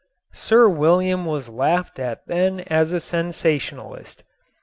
Sir William was laughed at then as a sensationalist.